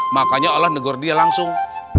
makanya allah negor dia langsung